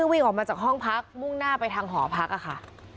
วิ่งออกมาจากห้องพักมุ่งหน้าไปทางหอพักค่ะ